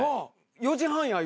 「４時半や」